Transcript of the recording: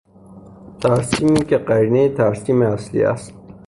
ترسیمی که قرینهی ترسیم اصلی است.